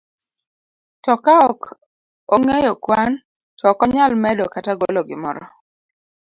To ka ok ong'eyo kwan, to ok onyal medo kata golo gimoro.